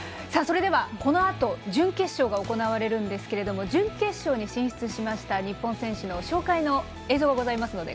それでは、このあと準決勝が行われるんですけれども準決勝に進出しました日本選手の紹介映像です。